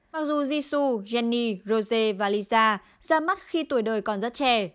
mặc dù jisoo jennie rose và lisa ra mắt khi tuổi đời còn rất trẻ